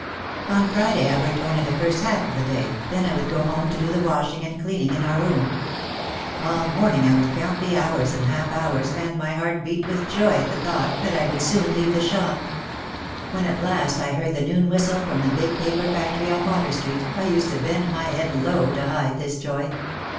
On Friday I worked only the first half of the day, then I would go home to do the washing and cleaning in our room. All morning I would count the hours and half hours and my heart beat with joy at the thought that I 90 OUT OF THE SHADOW would soon leave the shop. When at last I heard the noon whistle from the big paper factory on Water Street I used to bend my head low to hide this joy.